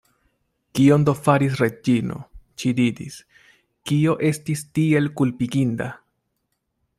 Kion do faris Reĝino, ŝi diris, kio estis tiel kulpiginda?